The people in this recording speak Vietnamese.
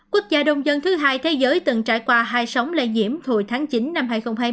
quốc gia đông dân thứ hai thế giới từng trải qua hai sóng lây nhiễm hồi tháng chín năm hai nghìn hai mươi